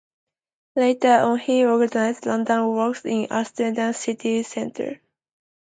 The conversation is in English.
Later on, he organized random walks in the Amsterdam City Centre.